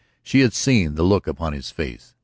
She had seen the look upon his face. .